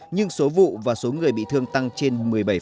nhưng số vụ và số người bị thương tăng trên một mươi bảy